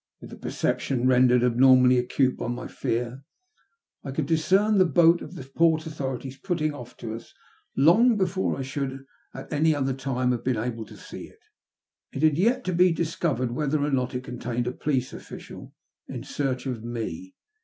With a perception rendered abnormally acute by my fear, I could discern the boat of the port authorities putting off to us long before I should, at any other time, have been able to see it. It had yet to be discovered whether or not it contained a police official in search of me.